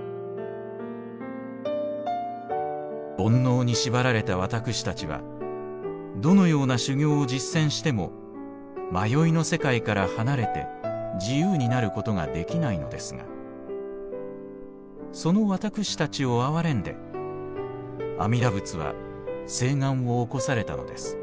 「煩悩に縛られた私たちはどのような修行を実践しても迷いの世界から離れて自由になることができないのですがその私たちを憐れんで阿弥陀仏は誓願を起こされたのです。